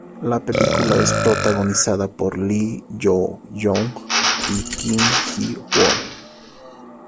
La película es protagonizada por Lee Yoo-young y Kim Hee-won.